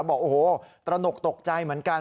บอกโอ้โหตระหนกตกใจเหมือนกัน